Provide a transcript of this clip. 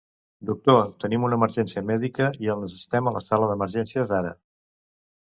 Doctor, tenim una emergència mèdica i el necessitem a la sala d'emergències ara.